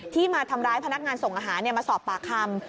มาทำร้ายพนักงานส่งอาหารมาสอบปากคำ